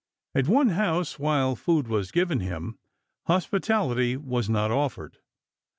At one house, while food was given j. h. n him, hospitality was not offered.